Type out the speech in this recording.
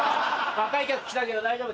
若い客来たけど大丈夫？